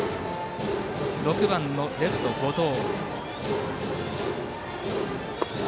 ６番、レフト、後藤。